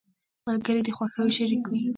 ملګري د خوښیو شريک وي.